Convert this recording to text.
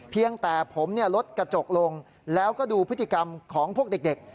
เพียงแต่ผมลดกระจกลงแล้วก็ดูพฤติกรรมของพวกเด็ก